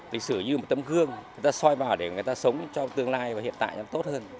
lịch sử như một tấm gương người ta xoay vào để người ta sống cho tương lai và hiện tại tốt hơn